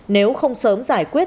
nếu không sớm giải quyết